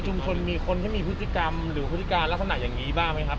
มีคนที่มีพฤติกรรมหรือพฤติการลักษณะอย่างนี้บ้างไหมครับ